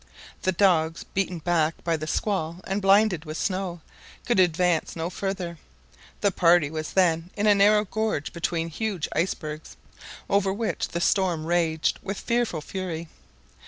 The dogs, beaten back by the squall and blinded with snow, could advance no further. The party was then in a narrow gorge between huge icebergs, over which the storm raged with fearful fury.